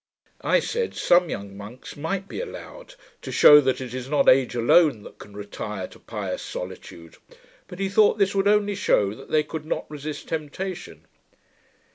I said, SOME young monks might be allowed, to shew that it is not age alone that can retire to pious solitude; but he thought this would only shew that they could not resist temptation.